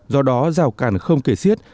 do đó giàu càng không kể xiết